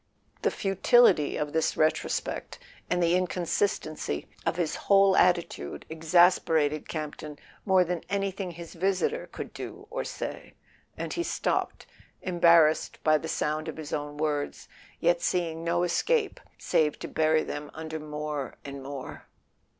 The futility of this retrospect, and the inconsistency of his whole attitude, exasperated Campton more than anything his visitor could do or say, and he stopped, embarrassed by the sound of his own words, yet seeing no escape save to bury them under more and more.